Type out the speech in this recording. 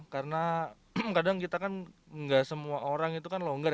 karena kadang kita kan nggak semua orang itu kan longgar